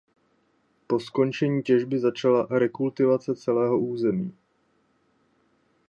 Po skončení těžby začala rekultivace celého území.